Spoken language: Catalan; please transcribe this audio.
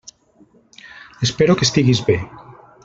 Espero que estiguis bé.